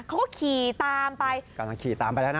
เขาก็ขี่ตามไปกำลังขี่ตามไปแล้วนะ